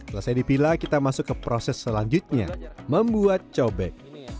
setelah dipila kita masuk ke proses selanjutnya membuat cobek